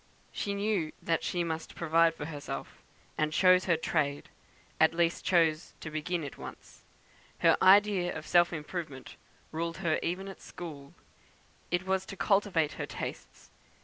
She knew that she must provide for herself, and chose her trade; at least chose to begin it once. Her idea of self improvement ruled her even at school. It was to cultivate her tastes.